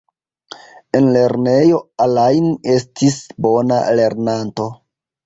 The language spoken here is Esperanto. En lernejo, Alain estis bona lernanto.